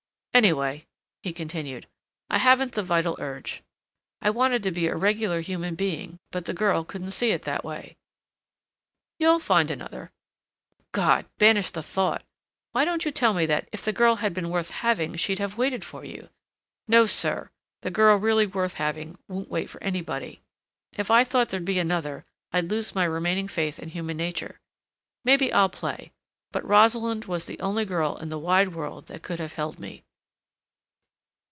"Anyway," he continued, "I haven't the vital urge. I wanted to be a regular human being but the girl couldn't see it that way." "You'll find another." "God! Banish the thought. Why don't you tell me that 'if the girl had been worth having she'd have waited for you'? No, sir, the girl really worth having won't wait for anybody. If I thought there'd be another I'd lose my remaining faith in human nature. Maybe I'll play—but Rosalind was the only girl in the wide world that could have held me."